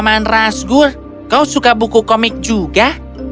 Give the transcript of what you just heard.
paman razgo kau suka buku komik juga